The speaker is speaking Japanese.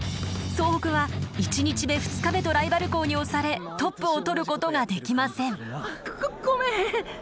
総北は１日目２日目とライバル校に押されトップをとることができません。